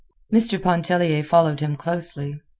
Mr. Pontellier followed him closely.